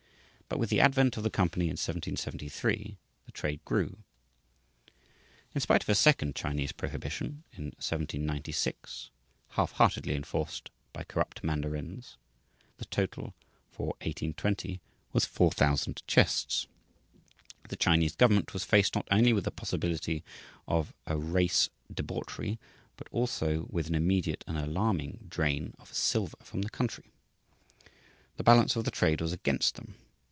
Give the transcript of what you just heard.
But with the advent of the company in 1773, the trade grew. In spite of a second Chinese prohibition in 1796, half heartedly enforced by corrupt mandarins, the total for 1820 was 4,000 chests. The Chinese government was faced not only with the possibility of a race debauchery but also with an immediate and alarming drain of silver from the country. The balance of the trade was against them.